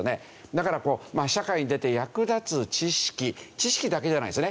だから社会に出て役立つ知識知識だけじゃないですよね。